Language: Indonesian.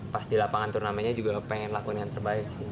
pas di lapangan turnamennya juga pengen lakuin yang terbaik sih